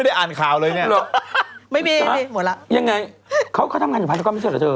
ยังไงเขาทำงานอยู่พาลกรรมหรือเธอ